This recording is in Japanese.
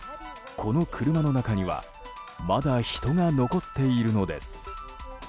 この車の中にはまだ人が残っているのです。